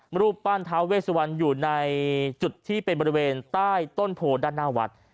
รูปปั้นท้าเวสวันอยู่ในจุดที่เป็นบริเวณใต้ต้นโพด้านหน้าวัด